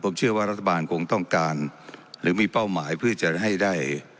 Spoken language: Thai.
ผมเชื่อว่ารัฐบาลคงต้องการหรือมีเป้าหมายเพื่อจะให้ได้